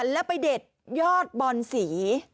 แล้วไปเด็ดยอดบอนสี